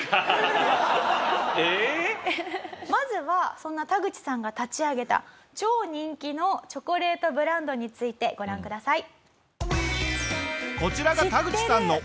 まずはそんなタグチさんが立ち上げた超人気のチョコレートブランドについてご覧ください。